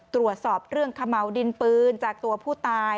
ตรวจสอบเรื่องขม่าวดินปืนจากตัวผู้ตาย